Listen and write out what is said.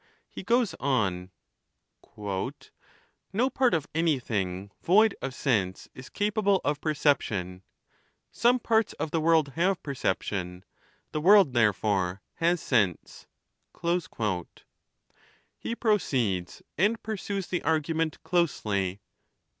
He goes on :" No part of anything void of sense is capable of perception; some parts of the world have perception ; the world, therefore, has sense." He proceeds, and pursues the argument closely.